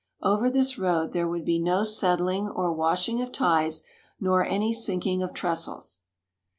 Over this road there would be no settling or washing of ties nor any sinking of tre.stles.